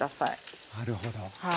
なるほど。